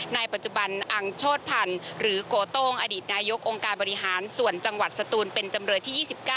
ในปัจจุบันอังโชธพันธ์หรือโกโต้งอดีตนายกองค์การบริหารส่วนจังหวัดสตูนเป็นจำเลยที่๒๙